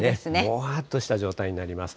もわっとした状態になります。